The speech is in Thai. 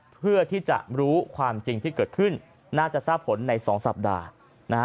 เพื่อที่จะรู้ความจริงที่เกิดขึ้นน่าจะทราบผลใน๒สัปดาห์นะฮะ